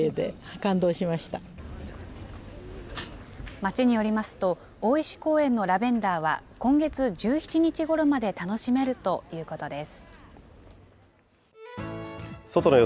町によりますと、大石公園のラベンダーは、今月１７日ごろまで楽しめるということです。